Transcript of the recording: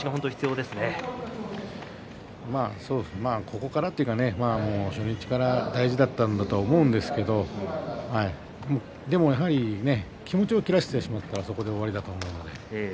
ここからというか初日から大事だったんだと思うんですけどもでも気持ちを切らしてしまったらそこで終わりだと思います。